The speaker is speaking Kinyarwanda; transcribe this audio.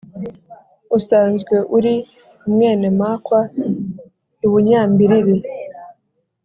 usanzwe uri umwene-makwa i bunyambiriri